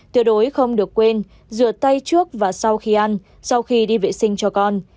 tuyệt đối không được quên rửa tay trước và sau khi ăn sau khi đi vệ sinh cho con